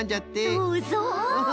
そうそう。